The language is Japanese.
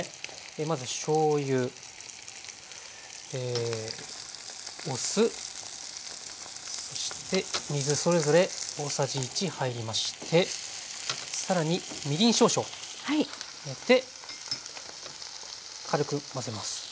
まずしょうゆお酢そして水それぞれ大さじ１入りましてさらにみりん少々入れて軽く混ぜます。